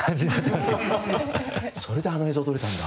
それであの映像撮れたんだ。